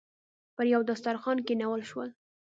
پر یوه دسترخوان کېنول شول.